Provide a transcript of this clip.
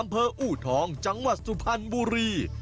อำเภออูทองจังวศสุพรรณบุรี